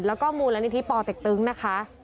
แล้วก็มูลนิธิปอเต็กตึงนะคะ